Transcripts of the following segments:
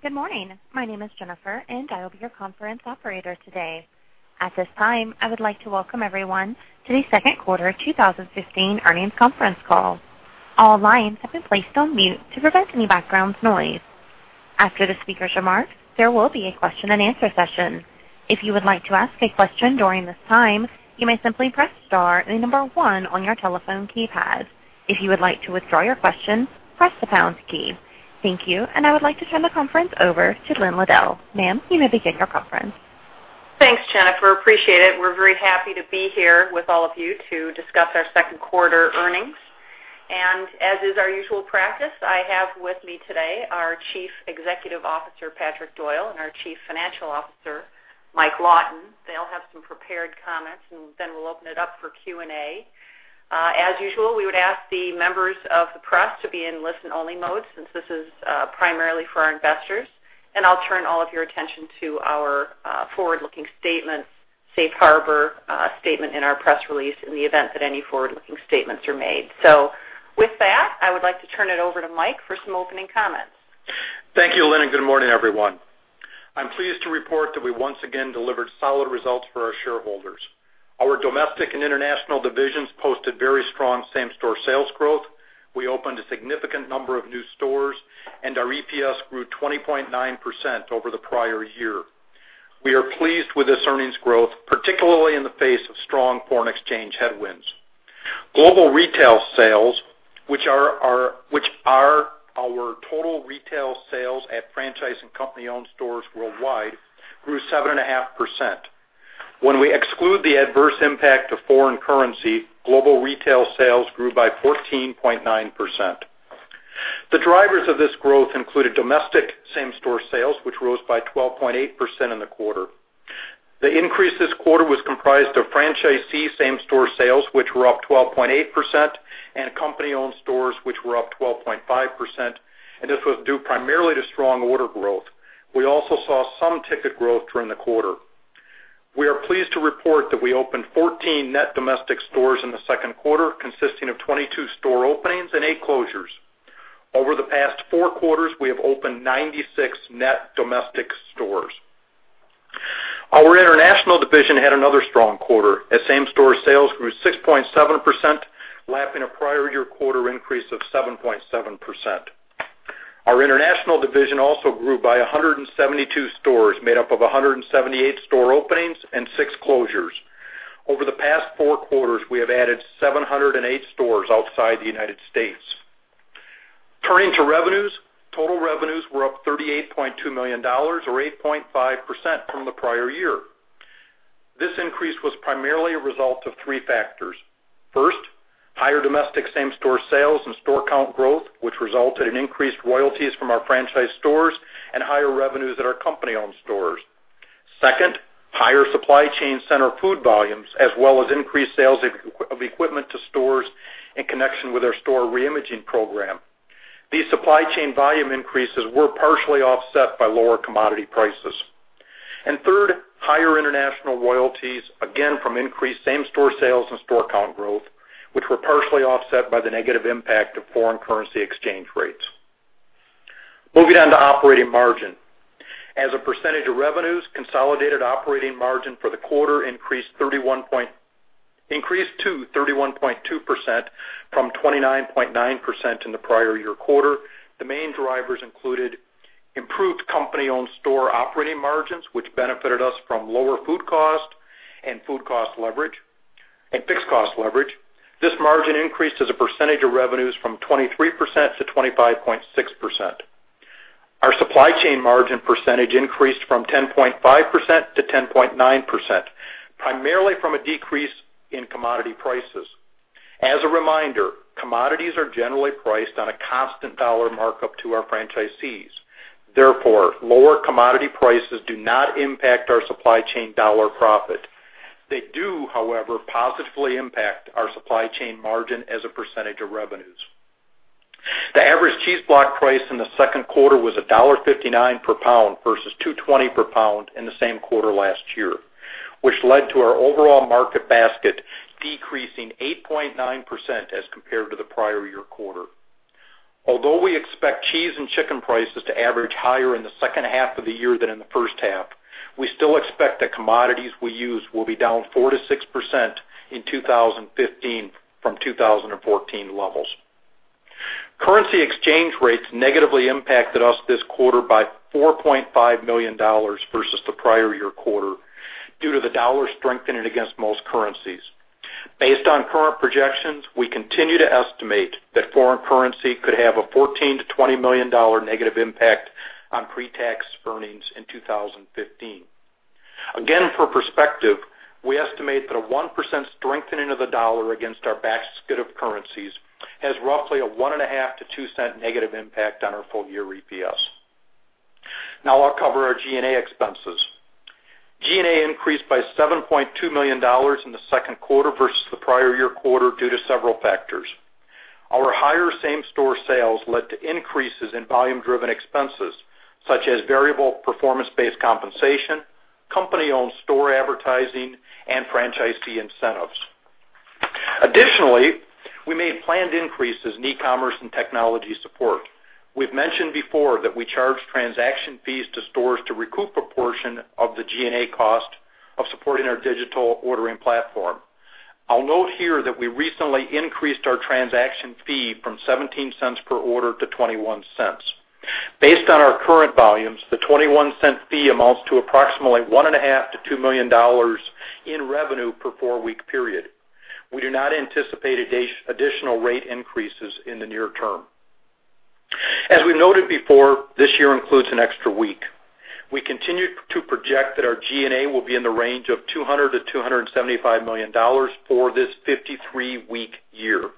Good morning. My name is Jennifer, and I will be your conference operator today. At this time, I would like to welcome everyone to the second quarter 2015 earnings conference call. All lines have been placed on mute to prevent any background noise. After the speakers remark, there will be a question and answer session. If you would like to ask a question during this time, you may simply press star and the number 1 on your telephone keypad. If you would like to withdraw your question, press the pound key. Thank you, and I would like to turn the conference over to Lynn Liddle. Ma'am, you may begin your conference. Thanks, Jennifer. Appreciate it. We're very happy to be here with all of you to discuss our second quarter earnings. As is our usual practice, I have with me today our Chief Executive Officer, Patrick Doyle, and our Chief Financial Officer, Mike Lawton. They all have some prepared comments, then we'll open it up for Q&A. As usual, we would ask the members of the press to be in listen-only mode, since this is primarily for our investors. I'll turn all of your attention to our forward-looking statement, safe harbor statement in our press release in the event that any forward-looking statements are made. With that, I would like to turn it over to Mike for some opening comments. Thank you, Lynn, good morning, everyone. I'm pleased to report that we once again delivered solid results for our shareholders. Our domestic and international divisions posted very strong same-store sales growth. We opened a significant number of new stores, and our EPS grew 20.9% over the prior year. We are pleased with this earnings growth, particularly in the face of strong foreign exchange headwinds. Global retail sales, which are our total retail sales at franchise and company-owned stores worldwide, grew 7.5%. When we exclude the adverse impact of foreign currency, global retail sales grew by 14.9%. The drivers of this growth included domestic same-store sales, which rose by 12.8% in the quarter. The increase this quarter was comprised of franchisee same-store sales, which were up 12.8%, and company-owned stores, which were up 12.5%, and this was due primarily to strong order growth. We also saw some ticket growth during the quarter. We are pleased to report that we opened 14 net domestic stores in the second quarter, consisting of 22 store openings and eight closures. Over the past four quarters, we have opened 96 net domestic stores. Our international division had another strong quarter, as same-store sales grew 6.7%, lapping a prior year quarter increase of 7.7%. Our international division also grew by 172 stores, made up of 178 store openings and six closures. Over the past four quarters, we have added 708 stores outside the U.S. Turning to revenues. Total revenues were up $38.2 million, or 8.5% from the prior year. This increase was primarily a result of three factors. First, higher domestic same-store sales and store count growth, which resulted in increased royalties from our franchise stores and higher revenues at our company-owned stores. Second, higher supply chain center food volumes, as well as increased sales of equipment to stores in connection with our store reimaging program. These supply chain volume increases were partially offset by lower commodity prices. Third, higher international royalties, again from increased same-store sales and store count growth, which were partially offset by the negative impact of foreign currency exchange rates. Moving on to operating margin. As a percentage of revenues, consolidated operating margin for the quarter increased to 31.2% from 29.9% in the prior year quarter. The main drivers included improved company-owned store operating margins, which benefited us from lower food cost and food cost leverage and fixed cost leverage. This margin increased as a percentage of revenues from 23% to 25.6%. Our supply chain margin percentage increased from 10.5% to 10.9%, primarily from a decrease in commodity prices. As a reminder, commodities are generally priced on a constant dollar markup to our franchisees. Therefore, lower commodity prices do not impact our supply chain dollar profit. They do, however, positively impact our supply chain margin as a percentage of revenues. The average cheese block price in the second quarter was $1.59 per pound versus $2.20 per pound in the same quarter last year, which led to our overall market basket decreasing 8.9% as compared to the prior year quarter. Although we expect cheese and chicken prices to average higher in the second half of the year than in the first half, we still expect that commodities we use will be down 4%-6% in 2015 from 2014 levels. Currency exchange rates negatively impacted us this quarter by $4.5 million versus the prior year quarter due to the dollar strengthening against most currencies. Based on current projections, we continue to estimate that foreign currency could have a $14 million-$20 million negative impact on pre-tax earnings in 2015. Again, for perspective, we estimate that a 1% strengthening of the dollar against our basket of currencies has roughly a $0.015-$0.02 negative impact on our full year EPS. I'll cover our G&A expenses. G&A increased by $7.2 million in the second quarter versus the prior year quarter due to several factors. Our higher same-store sales led to increases in volume-driven expenses such as variable performance-based compensation, company-owned store advertising, and franchisee incentives. Additionally, we made planned increases in e-commerce and technology support. We've mentioned before that we charge transaction fees to stores to recoup a portion of the G&A cost of supporting our digital ordering platform. I'll note here that we recently increased our transaction fee from $0.17 per order to $0.21. Based on our current volumes, the $0.21 fee amounts to approximately $1.5 million-$2 million in revenue per four-week period. We do not anticipate additional rate increases in the near term. As we noted before, this year includes an extra week. We continue to project that our G&A will be in the range of $200 million-$275 million for this 53-week year.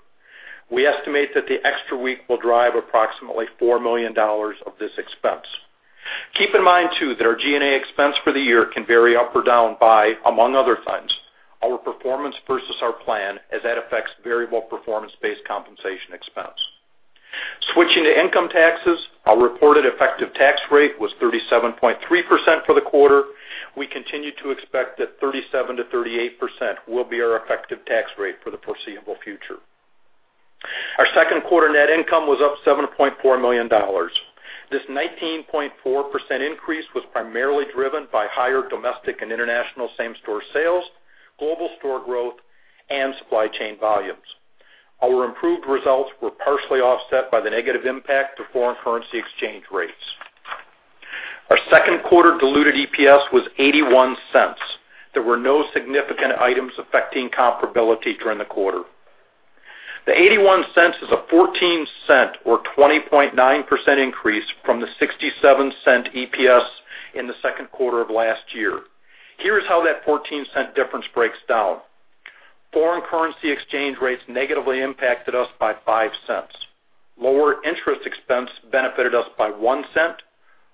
We estimate that the extra week will drive approximately $4 million of this expense. Keep in mind too, that our G&A expense for the year can vary up or down by, among other things, our performance versus our plan, as that affects variable performance-based compensation expense. Switching to income taxes, our reported effective tax rate was 37.3% for the quarter. We continue to expect that 37%-38% will be our effective tax rate for the foreseeable future. Our second quarter net income was up $7.4 million. This 19.4% increase was primarily driven by higher domestic and international same-store sales, global store growth, and supply chain volumes. Our improved results were partially offset by the negative impact of foreign currency exchange rates. Our second quarter diluted EPS was $0.81. There were no significant items affecting comparability during the quarter. The $0.81 is a $0.14 or 20.9% increase from the $0.67 EPS in the second quarter of last year. Here's how that $0.14 difference breaks down. Foreign currency exchange rates negatively impacted us by $0.05. Lower interest expense benefited us by $0.01.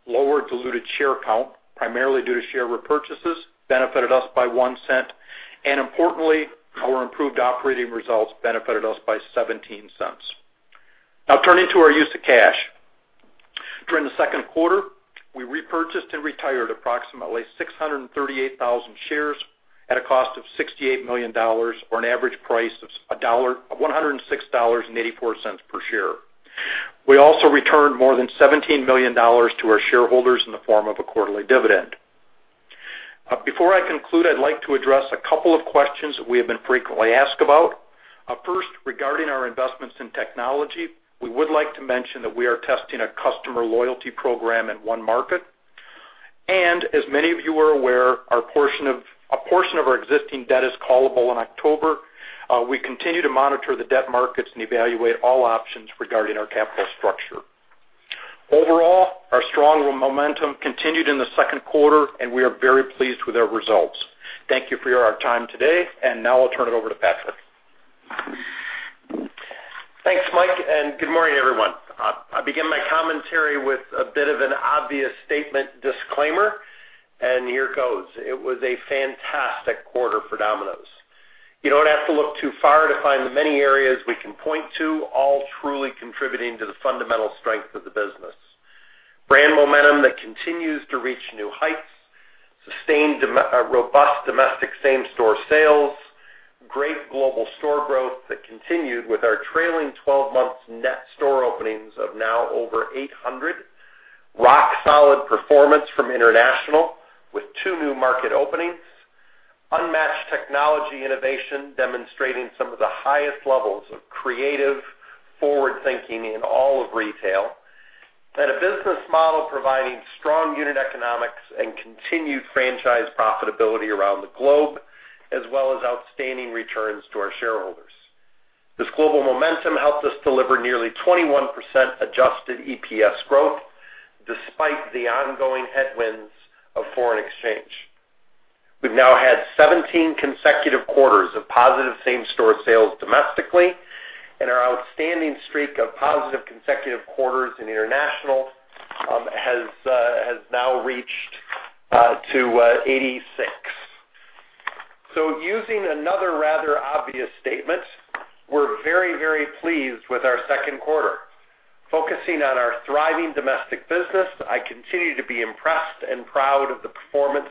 Lower diluted share count, primarily due to share repurchases, benefited us by $0.01. Importantly, our improved operating results benefited us by $0.17. Turning to our use of cash. During the second quarter, we repurchased and retired approximately 638,000 shares at a cost of $68 million, or an average price of $106.84 per share. We also returned more than $17 million to our shareholders in the form of a quarterly dividend. Before I conclude, I'd like to address a couple of questions that we have been frequently asked about. First, regarding our investments in technology, we would like to mention that we are testing a customer loyalty program in one market. As many of you are aware, a portion of our existing debt is callable in October. We continue to monitor the debt markets and evaluate all options regarding our capital structure. Overall, our strong momentum continued in the second quarter. We are very pleased with our results. Thank you for your time today. Now I'll turn it over to Patrick. Thanks, Mike. Good morning, everyone. I begin my commentary with a bit of an obvious statement disclaimer. Here goes. It was a fantastic quarter for Domino's. You don't have to look too far to find the many areas we can point to, all truly contributing to the fundamental strength of the business. Brand momentum that continues to reach new heights, sustained robust domestic same-store sales, great global store growth that continued with our trailing 12 months net store openings of now over 800, rock solid performance from international with two new market openings, unmatched technology innovation demonstrating some of the highest levels of creative, forward-thinking in all of retail, a business model providing strong unit economics and continued franchise profitability around the globe, as well as outstanding returns to our shareholders. This global momentum helped us deliver nearly 21% adjusted EPS growth, despite the ongoing headwinds of foreign exchange. We've now had 17 consecutive quarters of positive same-store sales domestically, and our outstanding streak of positive consecutive quarters in international has now reached to 86. Using another rather obvious statement, we're very, very pleased with our second quarter. Focusing on our thriving domestic business, I continue to be impressed and proud of the performance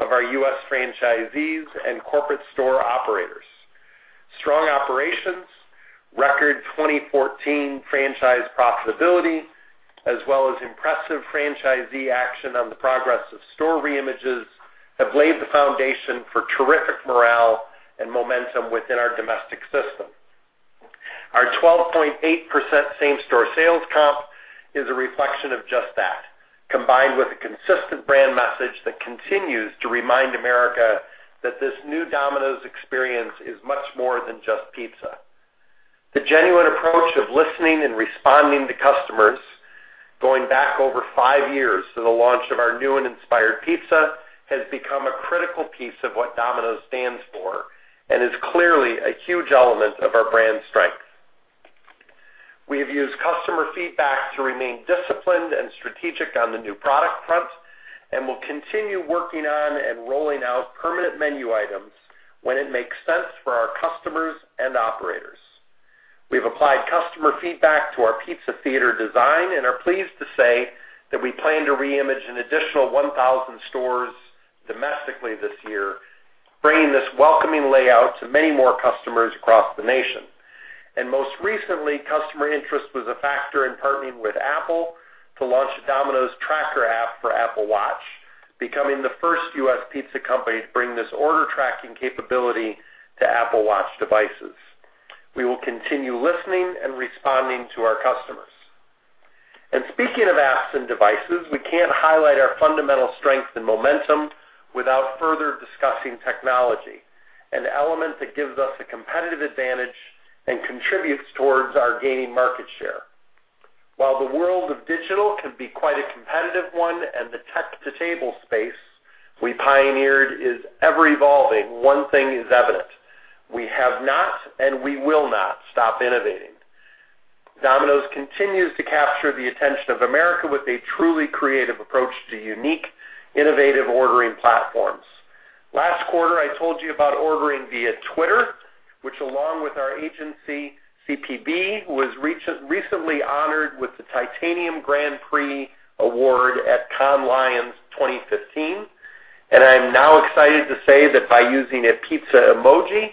of our U.S. franchisees and corporate store operators. Strong operations, record 2014 franchise profitability, as well as impressive franchisee action on the progress of store reimages have laid the foundation for terrific morale and momentum within our domestic system. Our 12.8% same-store sales comp is a reflection of just that, combined with a consistent brand message that continues to remind America that this new Domino's experience is much more than just pizza. The genuine approach of listening and responding to customers, going back over five years to the launch of our new and inspired pizza, has become a critical piece of what Domino's stands for and is clearly a huge element of our brand strength. We have used customer feedback to remain disciplined and strategic on the new product front. We'll continue working on and rolling out permanent menu items when it makes sense for our customers and operators. We've applied customer feedback to our Pizza Theater design and are pleased to say that we plan to re-image an additional 1,000 stores domestically this year, bringing this welcoming layout to many more customers across the nation. Most recently, customer interest was a factor in partnering with Apple to launch Domino's Tracker app for Apple Watch, becoming the first U.S. pizza company to bring this order tracking capability to Apple Watch devices. We will continue listening and responding to our customers. Speaking of apps and devices, we can't highlight our fundamental strength and momentum without further discussing technology, an element that gives us a competitive advantage and contributes towards our gaining market share. While the world of digital can be quite a competitive one and the tech-to-table space we pioneered is ever-evolving, one thing is evident: we have not, and we will not stop innovating. Domino's continues to capture the attention of America with a truly creative approach to unique, innovative ordering platforms. Last quarter, I told you about ordering via Twitter, which, along with our agency, CP+B, was recently honored with the Titanium Grand Prix Award at Cannes Lions 2015. I'm now excited to say that by using a pizza emoji,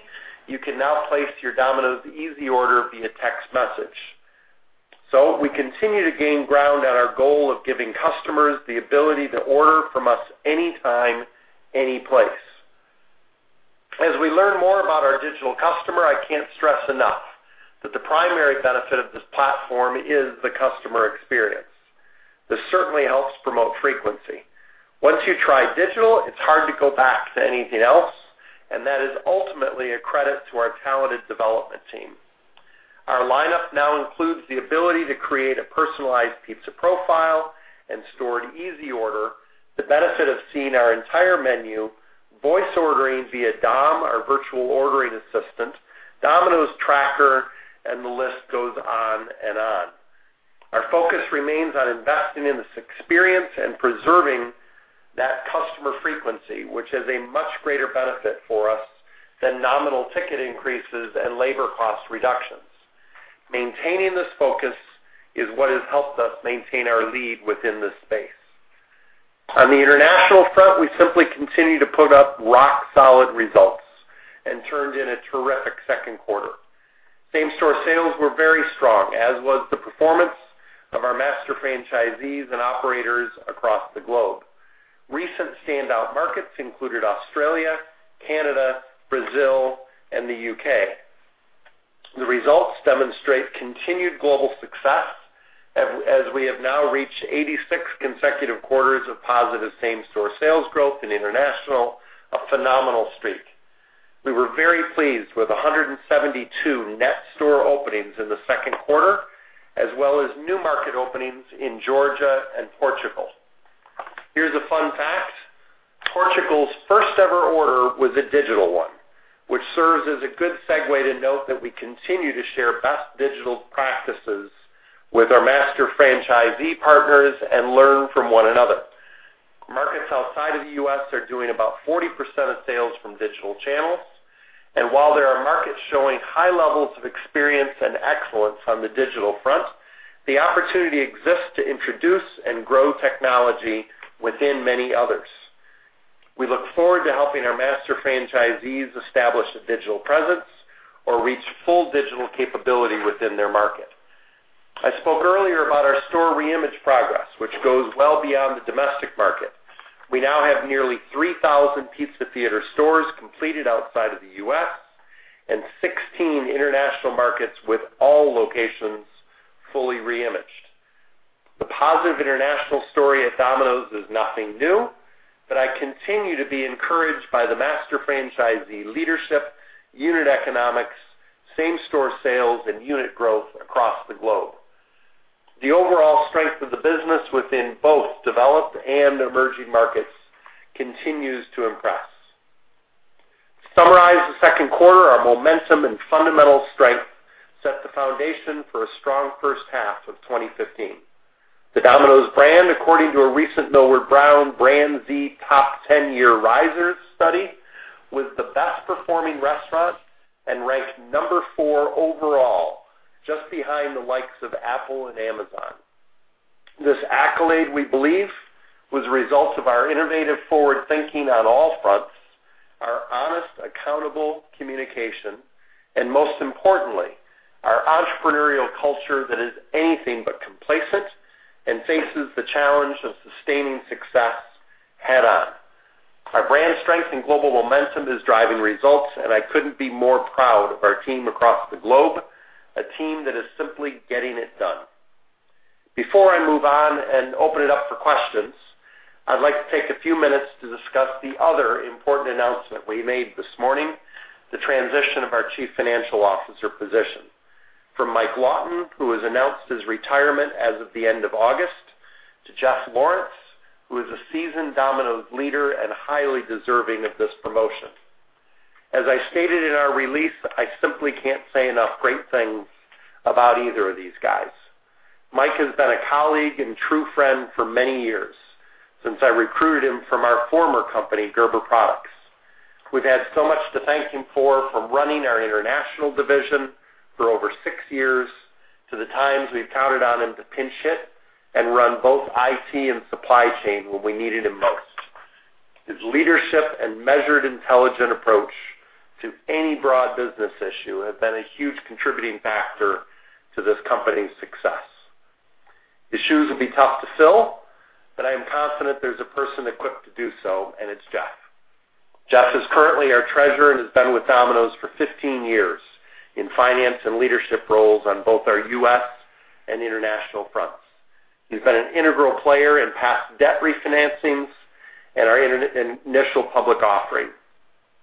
you can now place your Domino's Easy Order via text message. We continue to gain ground on our goal of giving customers the ability to order from us anytime, any place. As we learn more about our digital customer, I can't stress enough that the primary benefit of this platform is the customer experience. This certainly helps promote frequency. Once you try digital, it's hard to go back to anything else, and that is ultimately a credit to our talented development team. Our lineup now includes the ability to create a personalized pizza profile and stored Easy Order, the benefit of seeing our entire menu, voice ordering via Dom, our virtual ordering assistant, Domino's Tracker, and the list goes on and on. Our focus remains on investing in this experience and preserving that customer frequency, which is a much greater benefit for us than nominal ticket increases and labor cost reductions. Maintaining this focus is what has helped us maintain our lead within this space. On the international front, we simply continue to put up rock-solid results and turned in a terrific second quarter. Same-store sales were very strong, as was the performance of our master franchisees and operators across the globe. Recent standout markets included Australia, Canada, Brazil, and the U.K. The results demonstrate continued global success as we have now reached 86 consecutive quarters of positive same-store sales growth in international, a phenomenal streak. We were very pleased with 172 net store openings in the second quarter, as well as new market openings in Georgia and Portugal. Here's a fun fact: Portugal's first-ever order was a digital one, which serves as a good segue to note that we continue to share best digital practices with our master franchisee partners and learn from one another. Markets outside of the U.S. are doing about 40% of sales from digital channels, and while there are markets showing high levels of experience and excellence on the digital front, the opportunity exists to introduce and grow technology within many others. We look forward to helping our master franchisees establish a digital presence or reach full digital capability within their market. I spoke earlier about our store re-image progress, which goes well beyond the domestic market. We now have nearly 3,000 Pizza Theater stores completed outside of the U.S. and 16 international markets with all locations fully re-imaged. The positive international story at Domino's is nothing new, but I continue to be encouraged by the master franchisee leadership, unit economics, same-store sales, and unit growth across the globe. The overall strength of the business within both developed and emerging markets continues to impress. To summarize the second quarter, our momentum and fundamental strength set the foundation for a strong first half of 2015. The Domino's brand, according to a recent Millward Brown BrandZ Top 10 Year Risers study, was the best-performing restaurant and ranked number four overall, just behind the likes of Apple and Amazon. This accolade, we believe, was a result of our innovative forward thinking on all fronts, our honest, accountable communication, and most importantly, our entrepreneurial culture that is anything but complacent and faces the challenge of sustaining success head-on. Our brand strength and global momentum is driving results, I couldn't be more proud of our team across the globe, a team that is simply getting it done. Before I move on and open it up for questions, I'd like to take a few minutes to discuss the other important announcement we made this morning, the transition of our chief financial officer position from Mike Lawton, who has announced his retirement as of the end of August, to Jeff Lawrence, who is a seasoned Domino's leader and highly deserving of this promotion. As I stated in our release, I simply can't say enough great things about either of these guys. Mike has been a colleague and true friend for many years, since I recruited him from our former company, Gerber Products Company. We've had so much to thank him for, from running our international division for over six years, to the times we've counted on him to pinch hit and run both IT and supply chain when we needed him most. His leadership and measured, intelligent approach to any broad business issue have been a huge contributing factor to this company's success. His shoes will be tough to fill, but I am confident there's a person equipped to do so, and it's Jeff. Jeff is currently our treasurer and has been with Domino's for 15 years in finance and leadership roles on both our U.S. and international fronts. He's been an integral player in past debt refinancings and our initial public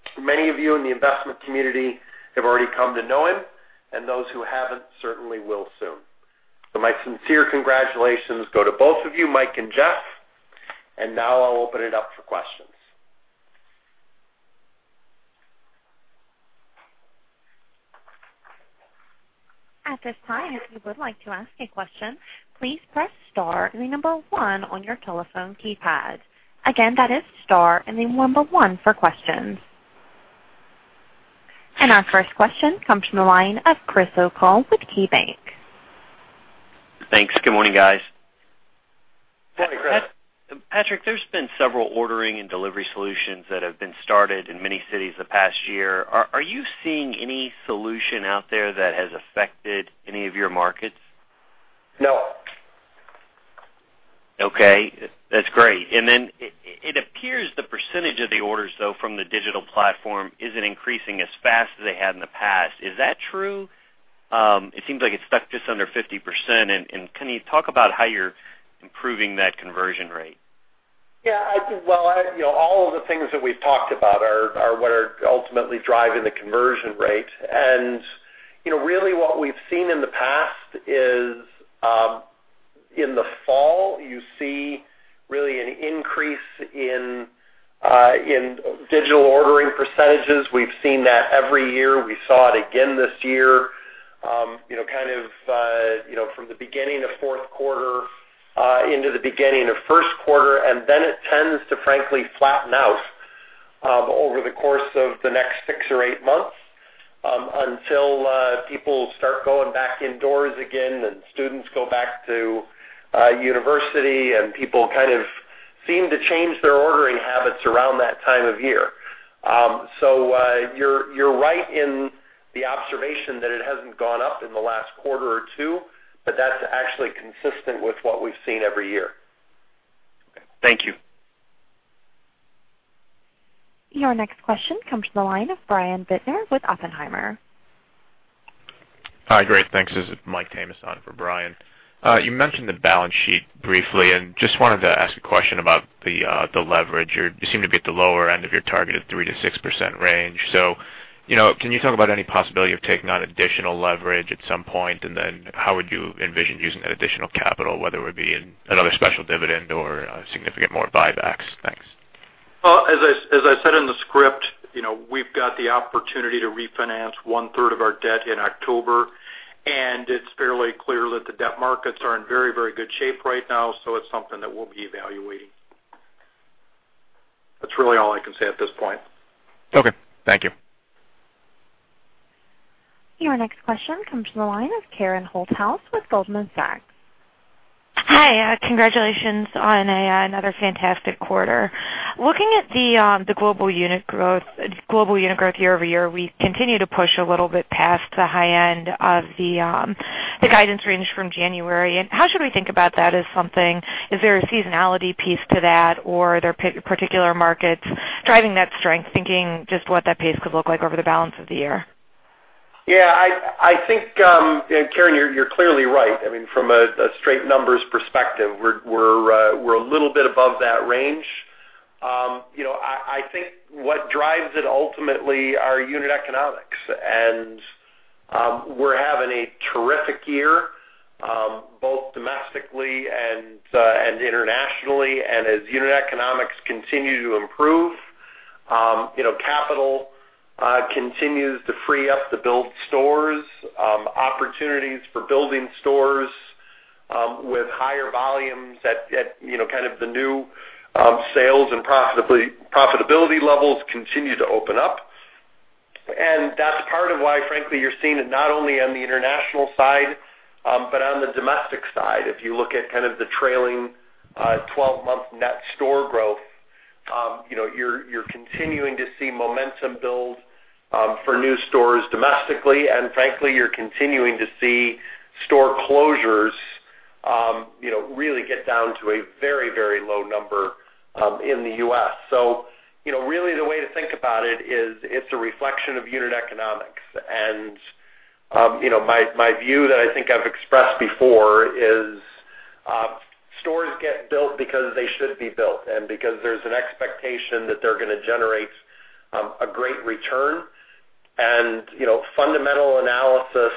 offering. My sincere congratulations go to both of you, Mike and Jeff. Now I'll open it up for questions. At this time, if you would like to ask a question, please press star and the number one on your telephone keypad. Again, that is star and then number one for questions. Our first question comes from the line of Chris O'Cull with KeyBanc. Thanks. Good morning, guys. Morning, Chris. Patrick, there's been several ordering and delivery solutions that have been started in many cities the past year. Are you seeing any solution out there that has affected any of your markets? No. Okay. That's great. It appears the percentage of the orders, though, from the digital platform isn't increasing as fast as they had in the past. Is that true? It seems like it's stuck just under 50%. Can you talk about how you're improving that conversion rate? Yeah. All of the things that we've talked about are what are ultimately driving the conversion rate. Really what we've seen in the past is, in the fall, you see really an increase in digital ordering percentages. We've seen that every year. We saw it again this year from the beginning of fourth quarter into the beginning of first quarter, it tends to frankly flatten out over the course of the next six or eight months until people start going back indoors again and students go back to university and people kind of seem to change their ordering habits around that time of year. You're right in the observation that it hasn't gone up in the last quarter or two, but that's actually consistent with what we've seen every year. Okay. Thank you. Your next question comes from the line of Brian Bittner with Oppenheimer. Hi. Great. Thanks. This is Michael Tamas for Brian. You mentioned the balance sheet briefly, and just wanted to ask a question about the leverage. You seem to be at the lower end of your targeted 3%-6% range. Can you talk about any possibility of taking on additional leverage at some point? How would you envision using that additional capital, whether it would be in another special dividend or significant more buybacks? Thanks. As I said in the script, we've got the opportunity to refinance one-third of our debt in October, and it's fairly clear that the debt markets are in very, very good shape right now. It's something that we'll be evaluating. That's really all I can say at this point. Okay. Thank you. Your next question comes from the line of Karen Holthouse with Goldman Sachs. Hi. Congratulations on another fantastic quarter. Looking at the global unit growth year-over-year, we continue to push a little bit past the high end of the guidance range from January. How should we think about that? Is there a seasonality piece to that or are there particular markets driving that strength, thinking just what that pace could look like over the balance of the year? Yeah. Karen, you're clearly right. From a straight numbers perspective, we're a little bit above that range. I think what drives it ultimately are unit economics, and we're having a terrific year, both domestically and internationally. As unit economics continue to improve, capital continues to free up to build stores. Opportunities for building stores with higher volumes at kind of the new sales and profitability levels continue to open up. That's part of why, frankly, you're seeing it not only on the international side, but on the domestic side. If you look at kind of the trailing 12-month net store growth, you're continuing to see momentum build for new stores domestically, and frankly, you're continuing to see store closures really get down to a very, very low number in the U.S. Really the way to think about it is it's a reflection of unit economics. My view that I think I've expressed before is stores get built because they should be built and because there's an expectation that they're going to generate a great return. Fundamental analysis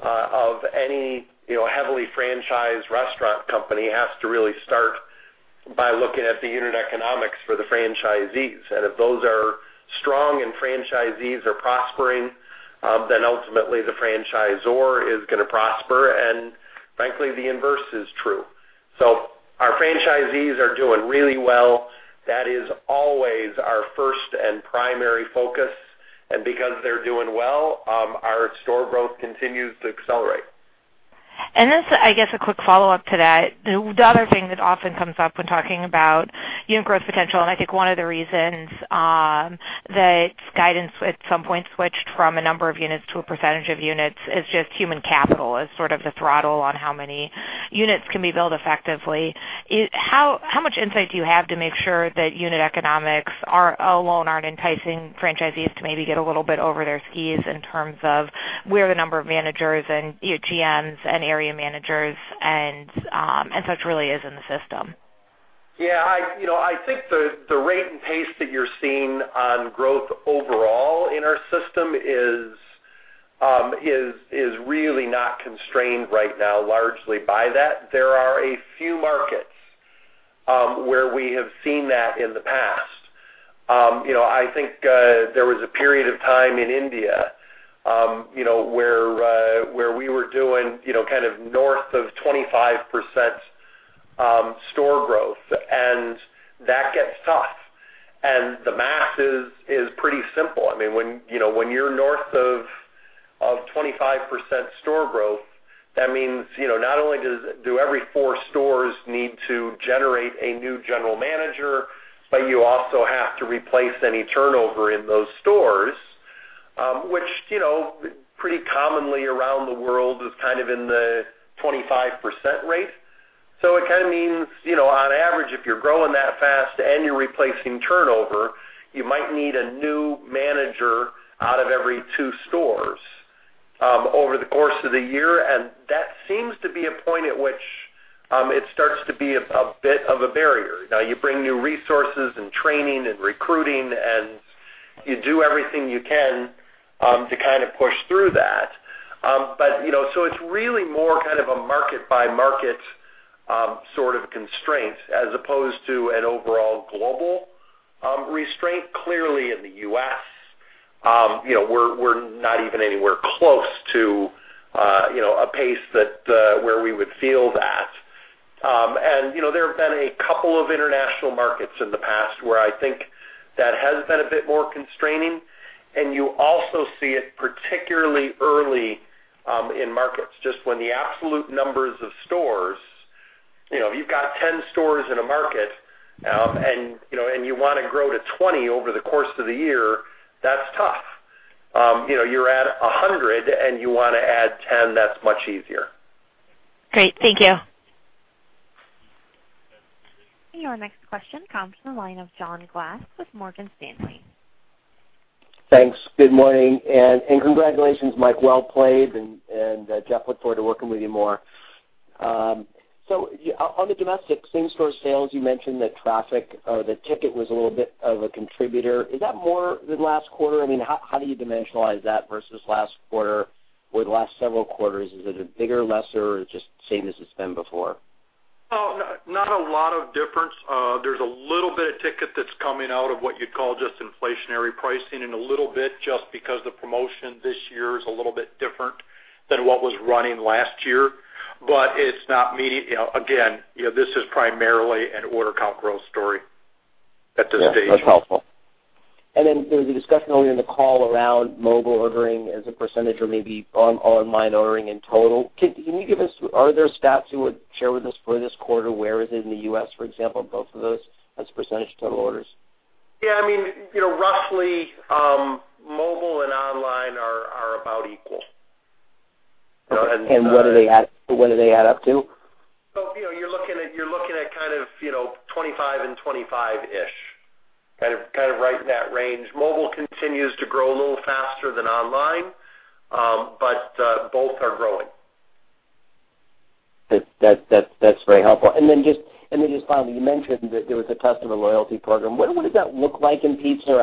of any heavily franchised restaurant company has to really start by looking at the unit economics for the franchisees. If those are strong and franchisees are prospering, then ultimately the franchisor is going to prosper, and frankly, the inverse is true. Our franchisees are doing really well. That is always our first and primary focus. Because they're doing well, our store growth continues to accelerate. I guess a quick follow-up to that. The other thing that often comes up when talking about unit growth potential, I think one of the reasons that guidance at some point switched from a number of units to a percentage of units, is just human capital as sort of the throttle on how many units can be built effectively. How much insight do you have to make sure that unit economics alone aren't enticing franchisees to maybe get a little bit over their skis in terms of where the number of managers and GMs and area managers, and such really is in the system? I think the rate and pace that you're seeing on growth overall in our system is really not constrained right now largely by that. There are a few markets where we have seen that in the past. I think there was a period of time in India, where we were doing north of 25% store growth. That gets tough. The math is pretty simple. When you're north of 25% store growth, that means not only do every four stores need to generate a new general manager, but you also have to replace any turnover in those stores, which pretty commonly around the world is in the 25% rate. It means on average, if you're growing that fast and you're replacing turnover, you might need a new manager out of every two stores over the course of the year. That seems to be a point at which it starts to be a bit of a barrier. Now you bring new resources and training and recruiting, and you do everything you can to push through that. It's really more kind of a market-by-market sort of constraint as opposed to an overall global restraint. Clearly in the U.S., we're not even anywhere close to a pace where we would feel that. There have been a couple of international markets in the past where I think that has been a bit more constraining, and you also see it particularly early in markets, just when the absolute numbers of stores. If you've got 10 stores in a market and you want to grow to 20 over the course of the year, that's tough. You're at 100 and you want to add 10, that's much easier. Great. Thank you. Your next question comes from the line of John Glass with Morgan Stanley. Thanks. Good morning, and congratulations, Mike, well played, and Jeff, look forward to working with you more. On the domestic same-store sales, you mentioned that traffic or the ticket was a little bit of a contributor. Is that more than last quarter? How do you dimensionalize that versus last quarter or the last several quarters? Is it bigger, lesser, or just the same as it's been before? Not a lot of difference. There's a little bit of ticket that's coming out of what you'd call just inflationary pricing, and a little bit just because the promotion this year is a little bit different than what was running last year. Again, this is primarily an order count growth story at this stage. Yeah. That's helpful. Then there was a discussion earlier in the call around mobile ordering as a percentage or maybe online ordering in total. Are there stats you would share with us for this quarter? Where is it in the U.S., for example, both of those as a percentage of total orders? Yeah. Roughly, mobile and online are about equal. Okay. What do they add up to? You're looking at kind of 25 and 25-ish. Kind of right in that range. Mobile continues to grow a little faster than online. Both are growing. That's very helpful. Just finally, you mentioned that there was a customer loyalty program. What does that look like in pizza?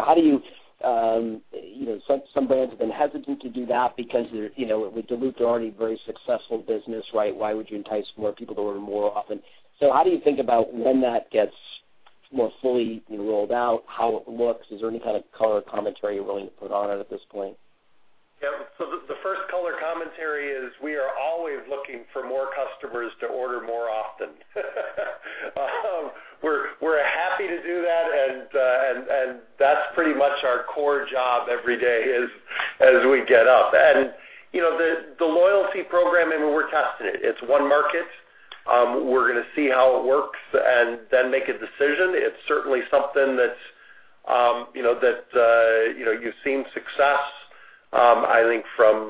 Some brands have been hesitant to do that because with delivery they're already a very successful business, right? Why would you entice more people to order more often? How do you think about when that gets more fully rolled out, how it looks? Is there any kind of color commentary you're willing to put on it at this point? Yeah. The first color commentary is we are always looking for more customers to order more often. We're happy to do that, and that's pretty much our core job every day is as we get up. The loyalty program, we're testing it. It's one market. We're going to see how it works and then make a decision. It's certainly something that you've seen success, I think, from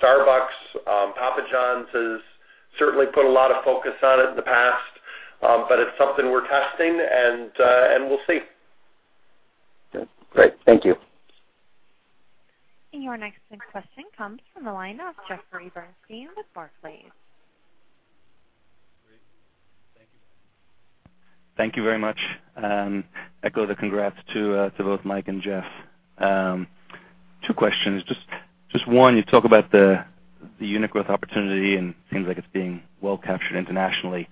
Starbucks. Papa John's has certainly put a lot of focus on it in the past. It's something we're testing, and we'll see. Good. Great. Thank you. Your next question comes from the line of Jeffrey Bernstein with Barclays. Great. Thank you. Thank you very much. Echo the congrats to both Mike and Jeff. Two questions. One, you talk about the unit growth opportunity, and it seems like it's being well captured internationally.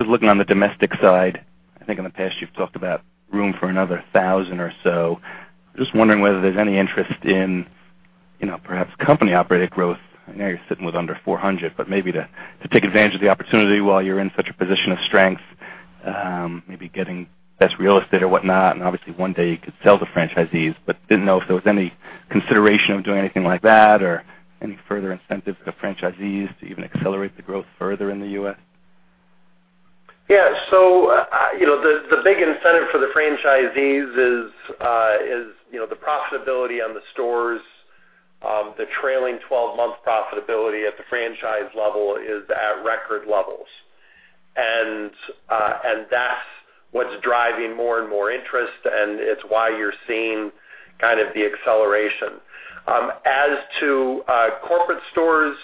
Looking on the domestic side, I think in the past you've talked about room for another 1,000 or so. Wondering whether there's any interest in Perhaps company-operated growth. I know you're sitting with under 400, but maybe to take advantage of the opportunity while you're in such a position of strength, maybe getting the best real estate or whatnot, and obviously one day you could sell to franchisees. Didn't know if there was any consideration of doing anything like that or any further incentives to franchisees to even accelerate the growth further in the U.S. Yeah. The big incentive for the franchisees is the profitability on the stores. The trailing 12-month profitability at the franchise level is at record levels. That's what's driving more and more interest, and it's why you're seeing kind of the acceleration. As to corporate stores,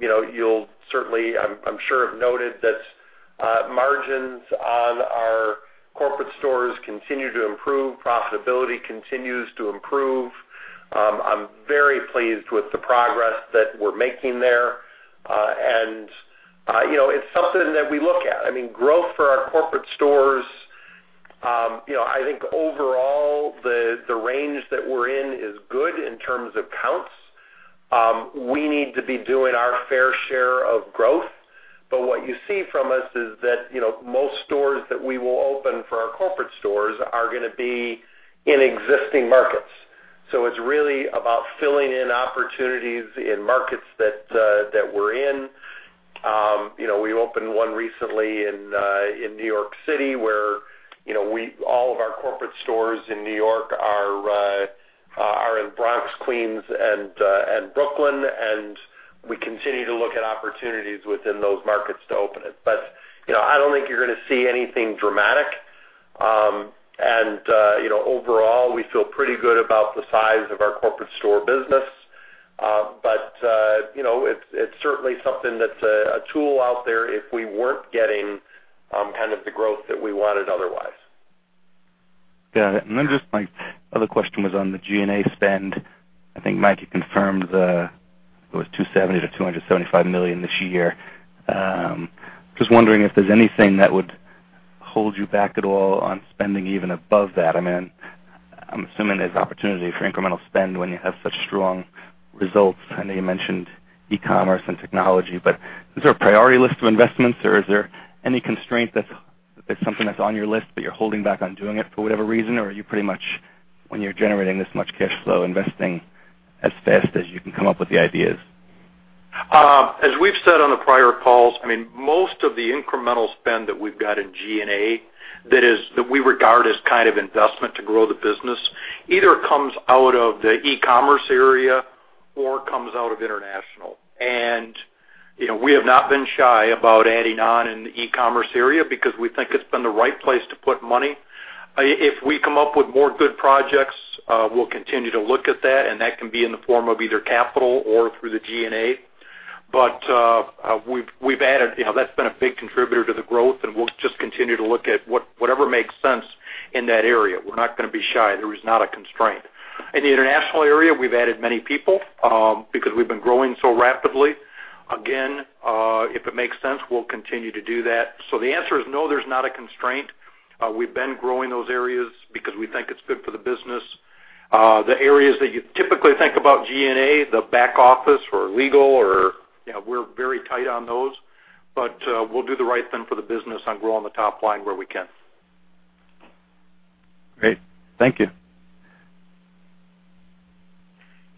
you'll certainly, I'm sure have noted that margins on our corporate stores continue to improve, profitability continues to improve. I'm very pleased with the progress that we're making there. It's something that we look at. Growth for our corporate stores, I think overall, the range that we're in is good in terms of counts. We need to be doing our fair share of growth. What you see from us is that, most stores that we will open for our corporate stores are going to be in existing markets. It's really about filling in opportunities in markets that we're in. We opened one recently in New York City where all of our corporate stores in New York are in Bronx, Queens, and Brooklyn, and we continue to look at opportunities within those markets to open it. I don't think you're going to see anything dramatic. Overall, we feel pretty good about the size of our corporate store business. It's certainly something that's a tool out there if we weren't getting kind of the growth that we wanted otherwise. Got it. Just my other question was on the G&A spend. I think Mike, you confirmed, it was $270 million to $275 million this year. Just wondering if there's anything that would hold you back at all on spending even above that. I'm assuming there's opportunity for incremental spend when you have such strong results. I know you mentioned e-commerce and technology, is there a priority list of investments or is there any constraint that's something that's on your list, but you're holding back on doing it for whatever reason? Are you pretty much when you're generating this much cash flow, investing as fast as you can come up with the ideas? As we've said on the prior calls, most of the incremental spend that we've got in G&A that we regard as kind of investment to grow the business, either comes out of the e-commerce area or comes out of international. We have not been shy about adding on in the e-commerce area because we think it's been the right place to put money. If we come up with more good projects, we'll continue to look at that, and that can be in the form of either capital or through the G&A. That's been a big contributor to the growth, and we'll just continue to look at whatever makes sense in that area. We're not going to be shy. There is not a constraint. In the international area, we've added many people, because we've been growing so rapidly. Again, if it makes sense, we'll continue to do that. The answer is no, there's not a constraint. We've been growing those areas because we think it's good for the business. The areas that you typically think about G&A, the back office or legal. We're very tight on those. We'll do the right thing for the business on growing the top line where we can. Great. Thank you.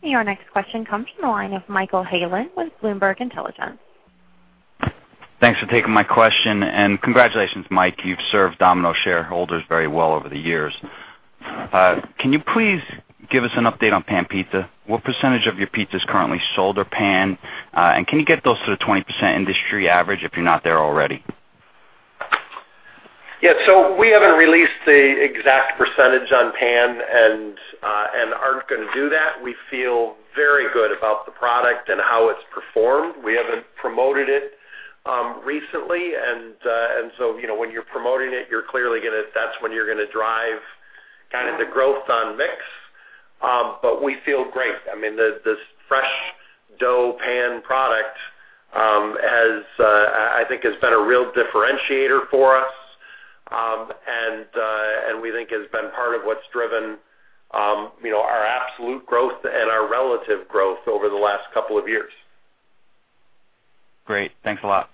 Your next question comes from the line of Michael Halen with Bloomberg Intelligence. Thanks for taking my question, and congratulations, Mike. You've served Domino's shareholders very well over the years. Can you please give us an update on pan pizza? What percentage of your pizza is currently sold are pan? Can you get those to the 20% industry average if you're not there already? Yeah. We haven't released the exact percentage on pan and aren't going to do that. We feel very good about the product and how it's performed. We haven't promoted it recently. When you're promoting it, that's when you're going to drive kind of the growth on mix. We feel great. This fresh dough pan product I think has been a real differentiator for us, and we think has been part of what's driven our absolute growth and our relative growth over the last couple of years. Great. Thanks a lot.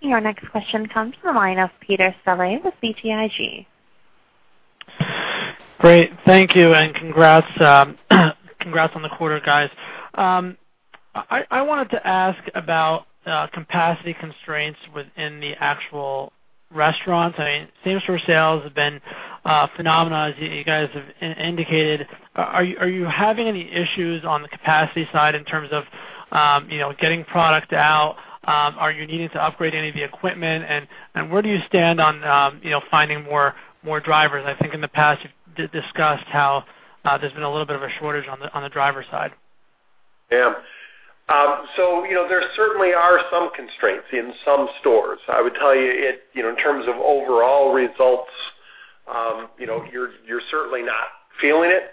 Your next question comes from the line of Peter Saleh with BTIG. Great. Thank you, congrats on the quarter, guys. I wanted to ask about capacity constraints within the actual restaurants. Same-store sales have been phenomenal, as you guys have indicated. Are you having any issues on the capacity side in terms of getting product out? Are you needing to upgrade any of the equipment? And where do you stand on finding more drivers? I think in the past you've discussed how there's been a little bit of a shortage on the driver side. Yeah. There certainly are some constraints in some stores. I would tell you in terms of overall results, you're certainly not feeling it.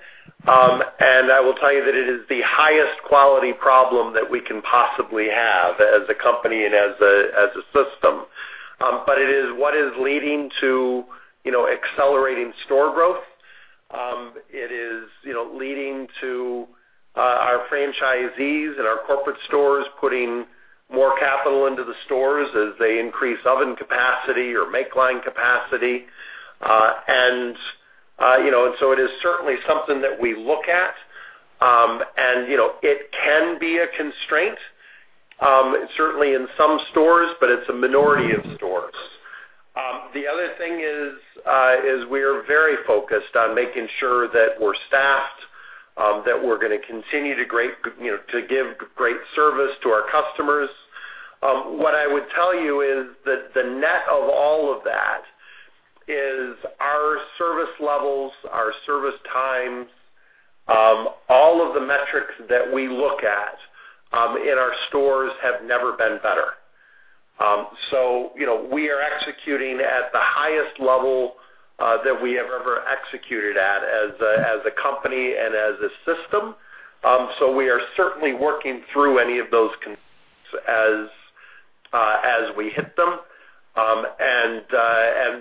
I will tell you that it is the highest quality problem that we can possibly have as a company and as a system. It is what is leading to accelerating store growth. It is leading to our franchisees and our corporate stores putting more capital into the stores as they increase oven capacity or make line capacity. It is certainly something that we look at, and it can be a constraint, certainly in some stores, but it's a minority of stores. The other thing is we are very focused on making sure that we're staffed, that we're going to continue to give great service to our customers. What I would tell you is that the net of all of that is our service levels, our service times, all of the metrics that we look at in our stores have never been better. We are executing at the highest level that we have ever executed at as a company and as a system. We are certainly working through any of those constraints as we hit them.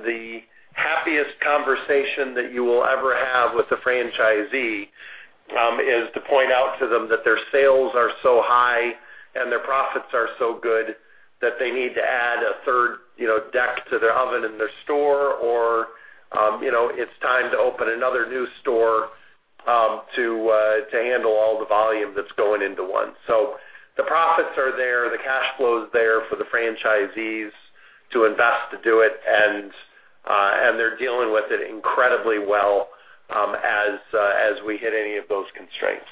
The happiest conversation that you will ever have with a franchisee is to point out to them that their sales are so high and their profits are so good that they need to add a third deck to their oven in their store, or it's time to open another new store to handle all the volume that's going into one. The profits are there, the cash flow is there for the franchisees to invest to do it, and they're dealing with it incredibly well as we hit any of those constraints.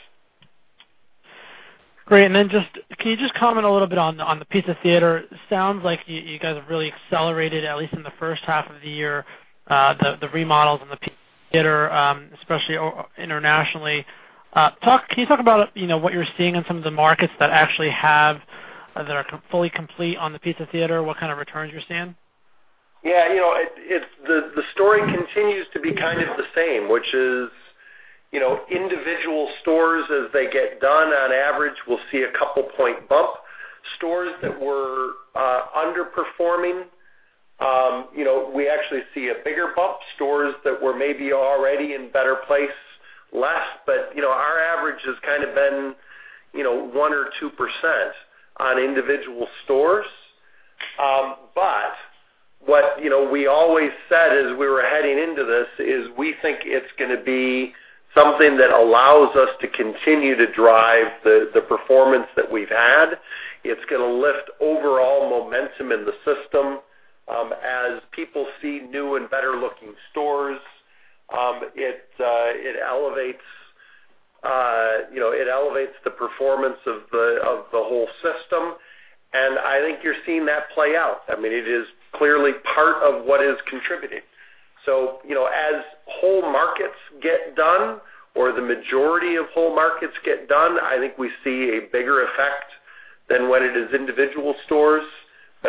Great. Can you just comment a little bit on the Pizza Theater? It sounds like you guys have really accelerated, at least in the first half of the year, the remodels and the Pizza Theater, especially internationally. Can you talk about what you're seeing in some of the markets that are fully complete on the Pizza Theater? What kind of returns you're seeing? The story continues to be kind of the same, which is individual stores as they get done on average will see a couple point bump. Stores that were underperforming, we actually see a bigger bump. Stores that were maybe already in better place, less. Our average has kind of been 1% or 2% on individual stores. What we always said as we were heading into this is we think it's going to be something that allows us to continue to drive the performance that we've had. It's going to lift overall momentum in the system. As people see new and better looking stores, it elevates the performance of the whole system, and I think you're seeing that play out. It is clearly part of what is contributing. As whole markets get done or the majority of whole markets get done, I think we see a bigger effect than when it is individual stores.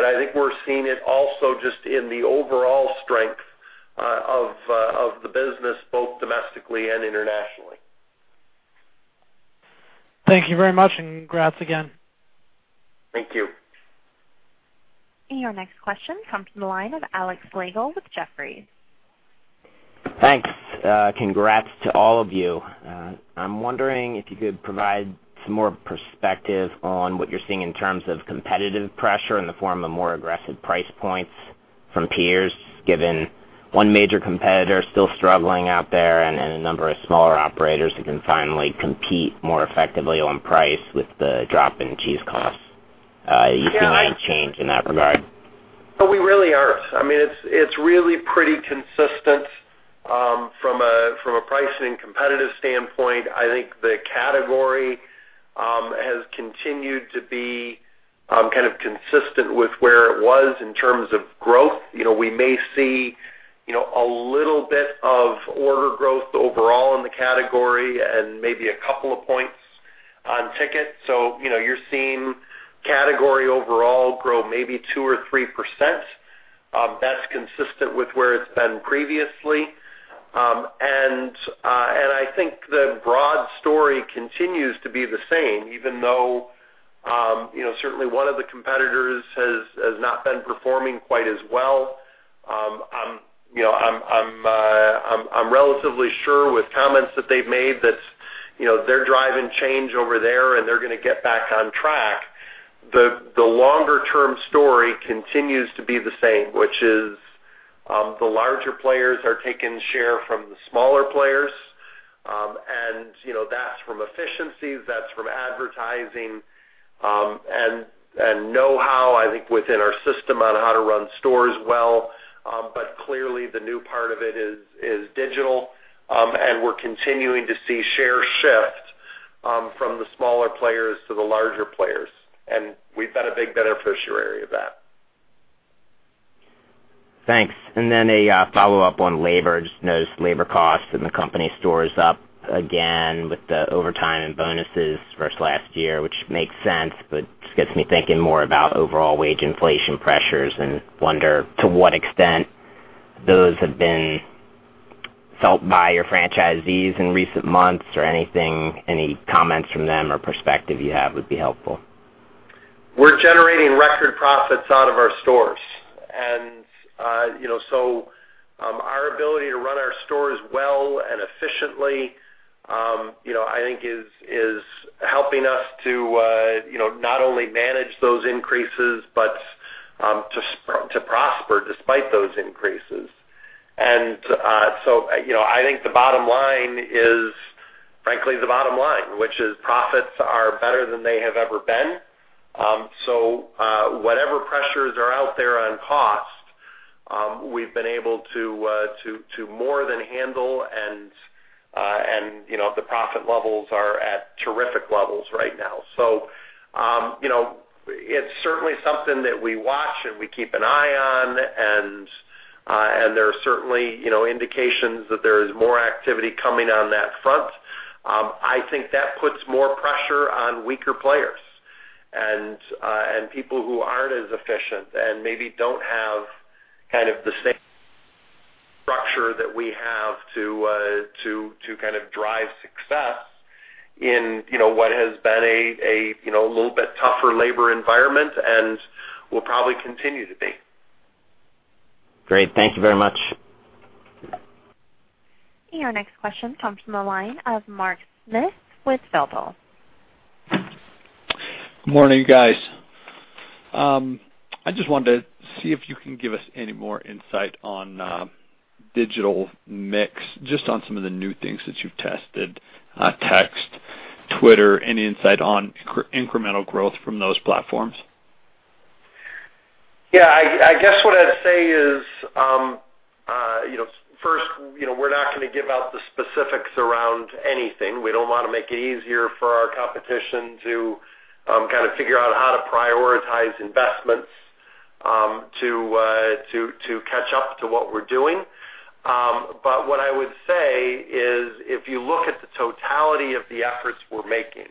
I think we're seeing it also just in the overall strength of the business, both domestically and internationally. Thank you very much, and congrats again. Thank you. Your next question comes from the line of Alexander Slagle with Jefferies. Thanks. Congrats to all of you. I'm wondering if you could provide some more perspective on what you're seeing in terms of competitive pressure in the form of more aggressive price points from peers, given one major competitor is still struggling out there and a number of smaller operators who can finally compete more effectively on price with the drop in cheese costs. Are you seeing any change in that regard? No, we really aren't. It's really pretty consistent from a pricing and competitive standpoint. I think the category has continued to be kind of consistent with where it was in terms of growth. We may see a little bit of order growth overall in the category and maybe a couple of points on ticket. You're seeing category overall grow maybe 2% or 3%. That's consistent with where it's been previously. I think the broad story continues to be the same, even though certainly one of the competitors has not been performing quite as well. I'm relatively sure with comments that they've made that they're driving change over there and they're going to get back on track. The longer-term story continues to be the same, which is the larger players are taking share from the smaller players, and that's from efficiencies, that's from advertising, and knowhow, I think, within our system on how to run stores well. Clearly the new part of it is digital, and we're continuing to see share shift from the smaller players to the larger players, and we've been a big beneficiary of that. Thanks. A follow-up on labor. Just noticed labor costs in the company stores up again with the overtime and bonuses versus last year, which makes sense, gets me thinking more about overall wage inflation pressures and wonder to what extent those have been felt by your franchisees in recent months or anything, any comments from them or perspective you have would be helpful. We're generating record profits out of our stores. Our ability to run our stores well and efficiently, I think is helping us to not only manage those increases, but to prosper despite those increases. I think the bottom line is, frankly, the bottom line, which is profits are better than they have ever been. Whatever pressures are out there on cost, we've been able to more than handle and the profit levels are at terrific levels right now. It's certainly something that we watch, and we keep an eye on, and there are certainly indications that there is more activity coming on that front. I think that puts more pressure on weaker players and people who aren't as efficient and maybe don't have kind of the same structure that we have to kind of drive success in what has been a little bit tougher labor environment and will probably continue to be. Great. Thank you very much. Your next question comes from the line of Mark Smith with Feltl. Morning, guys. I just wanted to see if you can give us any more insight on digital mix, just on some of the new things that you've tested, text, Twitter, any insight on incremental growth from those platforms? Yeah, I guess what I'd say is first, we're not going to give out the specifics around anything. We don't want to make it easier for our competition to kind of figure out how to prioritize investments to catch up to what we're doing. What I would say is, if you look at the totality of the efforts we're making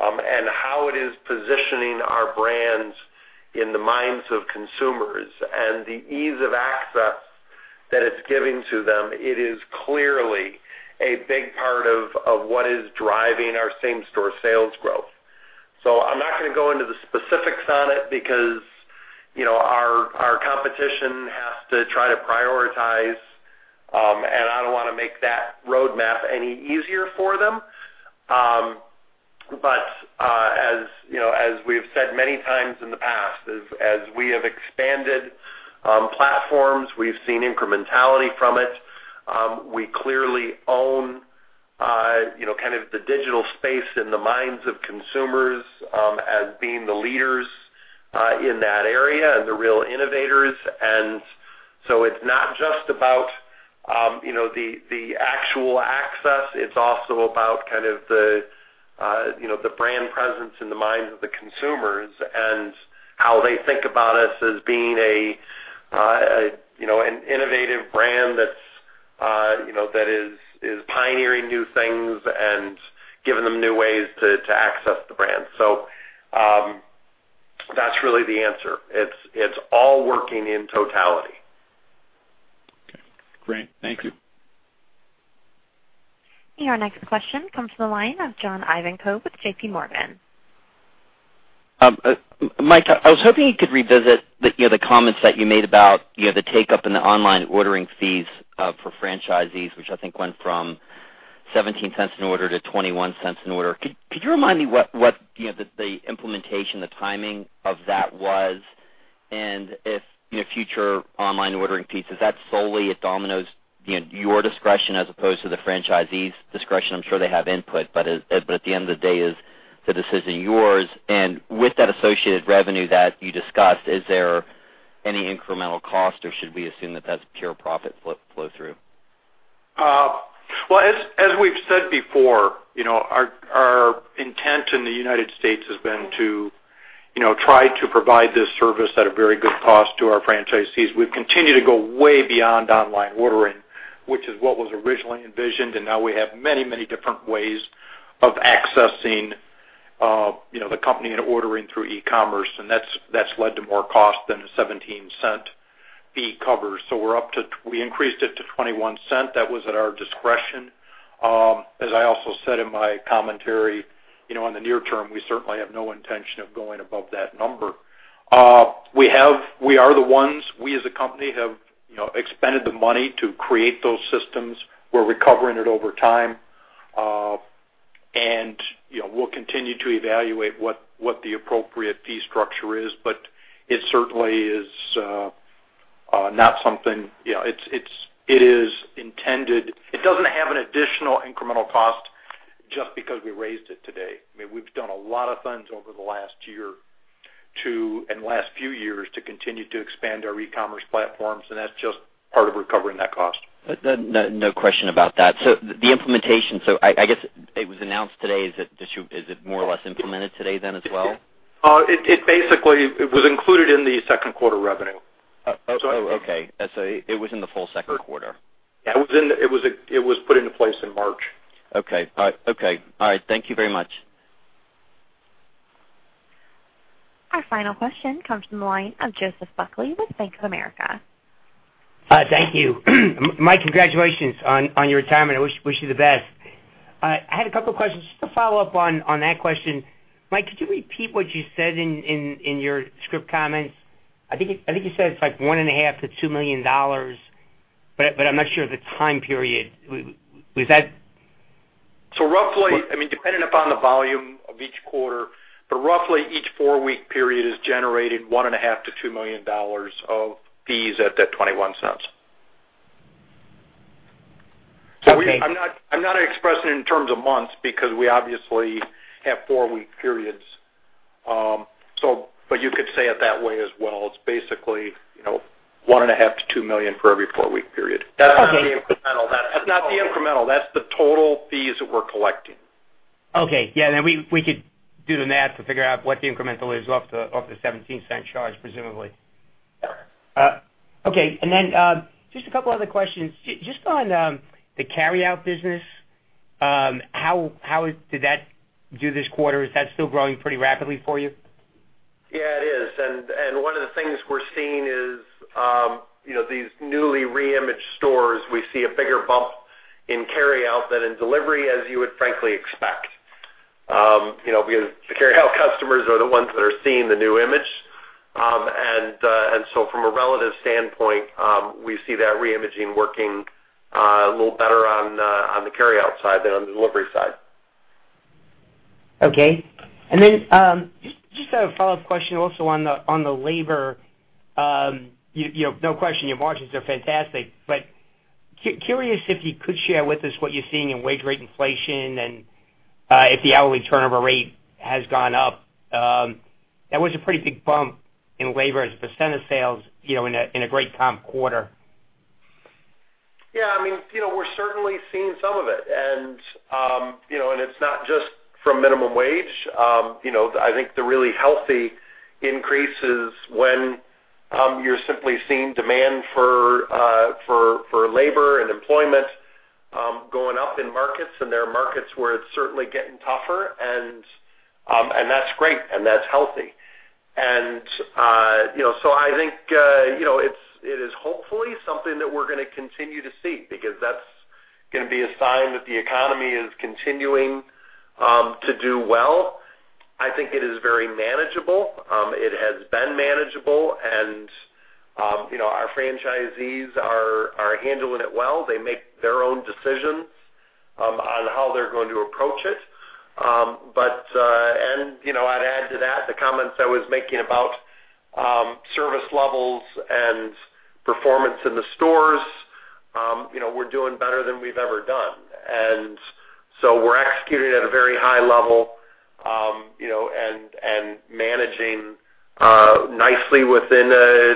and how it is positioning our brands in the minds of consumers and the ease of access that it's giving to them, it is clearly a big part of what is driving our same-store sales growth. I'm not going to go into the specifics on it because our competition has to try to prioritize, and I don't want to make that roadmap any easier for them. As we've said many times in the past, as we have expanded platforms, we've seen incrementality from it. We clearly own kind of the digital space in the minds of consumers as being the leaders in that area and the real innovators. It's not just about the actual access, it's also about kind of the brand presence in the minds of the consumers and how they think about us as being an innovative brand that is pioneering new things and giving them new ways to access the brand. That's really the answer. It's all working in totality. Okay, great. Thank you. Your next question comes from the line of John Ivankoe with JPMorgan. Mike, I was hoping you could revisit the comments that you made about the take-up in the online ordering fees for franchisees, which I think went from $0.17 an order to $0.21 an order. Could you remind me what the implementation, the timing of that was, and if future online ordering fees, is that solely at Domino's your discretion as opposed to the franchisee's discretion? I'm sure they have input, but at the end of the day, is the decision yours? With that associated revenue that you discussed, is there any incremental cost, or should we assume that that's pure profit flow-through? Well, as we've said before, our intent in the United States has been to try to provide this service at a very good cost to our franchisees. We've continued to go way beyond online ordering, which is what was originally envisioned, and now we have many different ways of accessing the company and ordering through e-commerce, and that's led to more cost than the $0.17 fee covers. We increased it to $0.21. That was at our discretion. As I also said in my commentary, in the near term, we certainly have no intention of going above that number. We are the ones, we as a company have expended the money to create those systems. We're recovering it over time. We'll continue to evaluate what the appropriate fee structure is, but it certainly is not something. It doesn't have an additional incremental cost just because we raised it today. I mean, we've done a lot of things over the last year to, and last few years, to continue to expand our e-commerce platforms, and that's just part of recovering that cost. No question about that. The implementation, I guess it was announced today, is it more or less implemented today then as well? It basically was included in the second quarter revenue. Oh, okay. It was in the full second quarter. Yeah, it was put into place in March. Okay. All right. Thank you very much. Our final question comes from the line of Joseph Buckley with Bank of America. Thank you. Mike, congratulations on your retirement. I wish you the best. I had a couple questions. Just to follow up on that question, Mike, could you repeat what you said in your script comments? I think you said it's like $1.5 million-$2 million, but I'm not sure of the time period. Was that? Roughly, depending upon the volume of each quarter, but roughly each four-week period is generating $1.5 million-$2 million of fees at that $0.21. Okay. I'm not expressing it in terms of months because we obviously have four-week periods. You could say it that way as well. It's basically $1.5 million-$2 million for every four-week period. Okay. That's not the incremental. That's the total fees that we're collecting. Okay. We could do the math to figure out what the incremental is off the $0.17 charge, presumably. Sure. Okay. Just two other questions. Just on the carry-out business, how did that do this quarter? Is that still growing pretty rapidly for you? It is. One of the things we're seeing is these newly re-imaged stores, we see a bigger bump in carry-out than in delivery, as you would frankly expect. Because the carry-out customers are the ones that are seeing the new image. From a relative standpoint, we see that re-imaging working a little better on the carry-out side than on the delivery side. Okay. Just a follow-up question also on the labor. No question, your margins are fantastic. Curious if you could share with us what you're seeing in wage rate inflation and if the hourly turnover rate has gone up. That was a pretty big bump in labor as a % of sales in a great comp quarter. Yeah, we're certainly seeing some of it's not just from minimum wage. I think the really healthy increase is when you're simply seeing demand for labor and employment going up in markets, there are markets where it's certainly getting tougher, that's great, that's healthy. I think it is hopefully something that we're going to continue to see because that's going to be a sign that the economy is continuing to do well. I think it is very manageable. It has been manageable, our franchisees are handling it well. They make their own decisions on how they're going to approach it. I'd add to that the comments I was making about service levels and performance in the stores. We're doing better than we've ever done, we're executing at a very high level managing nicely within a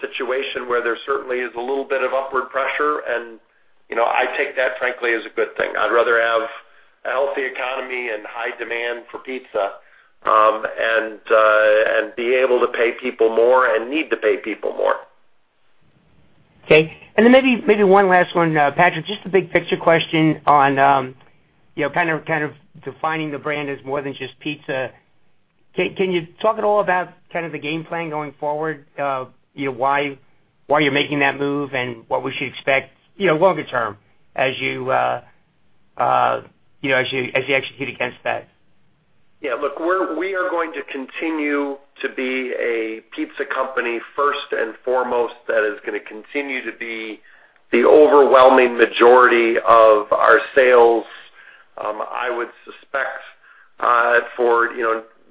situation where there certainly is a little bit of upward pressure, I take that, frankly, as a good thing. I'd rather have a healthy economy high demand for pizza, be able to pay people more need to pay people more. Okay. Maybe one last one, Patrick. Just a big picture question on kind of defining the brand as more than just pizza. Can you talk at all about kind of the game plan going forward? Why you're making that move and what we should expect longer term as you execute against that? Yeah. Look, we are going to continue to be a pizza company first and foremost. That is going to continue to be the overwhelming majority of our sales, I would suspect, for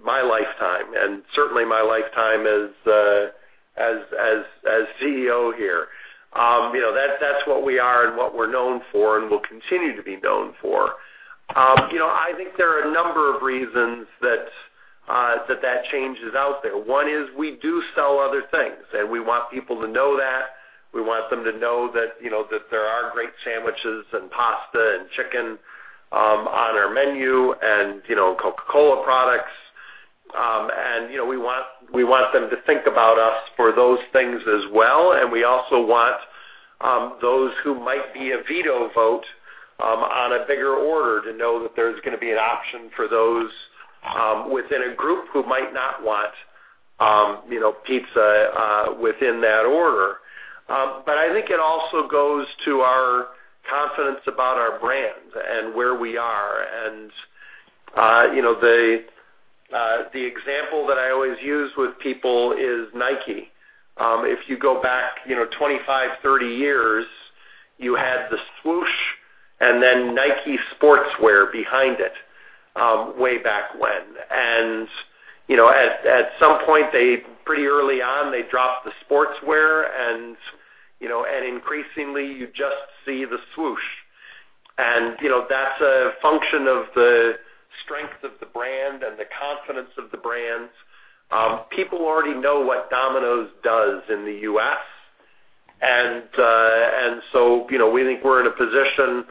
my lifetime and certainly my lifetime as CEO here. That's what we are and what we're known for and will continue to be known for. I think there are a number of reasons that that change is out there. One is we do sell other things, and we want people to know that. We want them to know that there are great sandwiches and pasta and chicken on our menu and Coca-Cola products. We want them to think about us for those things as well. We also want those who might be a veto vote on a bigger order to know that there's going to be an option for those within a group who might not want pizza within that order. I think it also goes to our confidence about our brand and where we are. The example that I always use with people is Nike. If you go back 25, 30 years, you had the swoosh and then Nike Sportswear behind it way back when. At some point, pretty early on, they dropped the Sportswear and increasingly you just see the swoosh. That's a function of the strength of the brand and the confidence of the brands. People already know what Domino's does in the U.S., we think we're in a position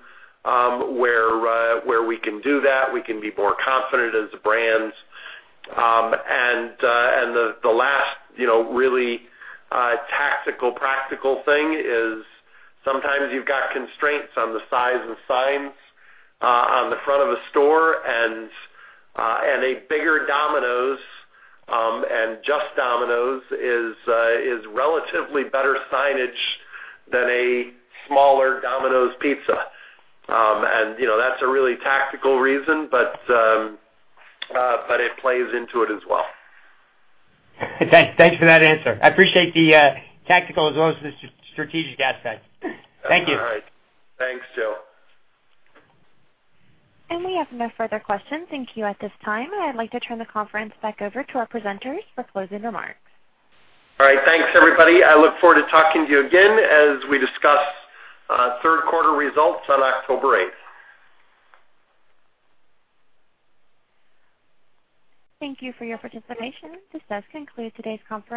where we can do that. We can be more confident as a brand. The last really tactical, practical thing is sometimes you've got constraints on the size of signs on the front of a store, and a bigger Domino's and just Domino's is relatively better signage than a smaller Domino's Pizza. That's a really tactical reason, but it plays into it as well. Thanks for that answer. I appreciate the tactical as well as the strategic aspect. Thank you. All right. Thanks, Joe. We have no further questions. Thank you. At this time, I'd like to turn the conference back over to our presenters for closing remarks. All right. Thanks, everybody. I look forward to talking to you again as we discuss third quarter results on October 8th. Thank you for your participation. This does conclude today's conference.